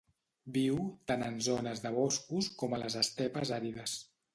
Viu tant en zones de boscos com a les estepes àrides.